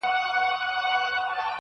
بیا هغه لار ده، خو ولاړ راته صنم نه دی.